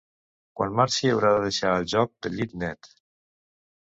Quan marxi, haurà de deixar el joc de llit net.